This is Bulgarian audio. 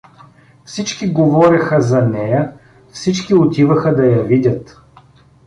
Всички говореха за нея, всички отиваха да я видят.